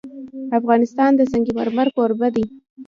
افغانستان د سنگ مرمر کوربه دی.